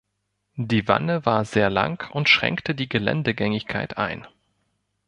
Die Wanne war sehr lang und schränkte die Geländegängigkeit ein.